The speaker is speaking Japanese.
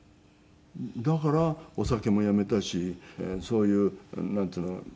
だからお酒もやめたしそういうなんていうの？